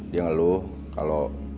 dia ngeluh kalau